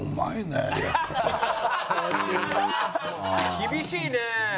厳しいね。